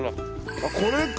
あっこれか！